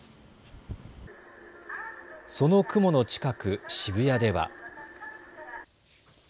その雲の近く、渋谷では。